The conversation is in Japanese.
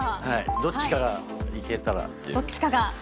どっちかがいけたらっていう。